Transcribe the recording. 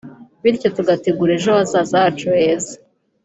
bityo tugategura ejo hazaza hacu heza